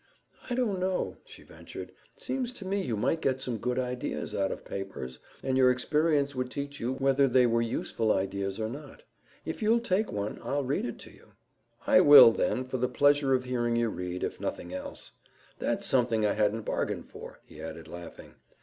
"I don't know," she ventured. "Seems to me you might get some good ideas out of papers, and your experience would teach you whether they were useful ideas or not. If you'll take one, I'll read it to you." "I will, then, for the pleasure of hearing you read, if nothing else. That's something I hadn't bargained for," he added, laughing.